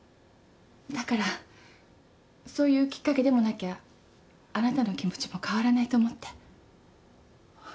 だからそういうきっかけでもなきゃあなたの気持ちも変わらないと思って。